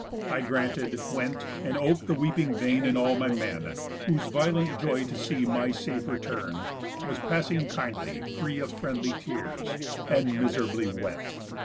I granted, went, and op'd the weeping vein In all my men; whose violent joy to see My safe return was passing kindly free Of friendly tears, and miserably wept.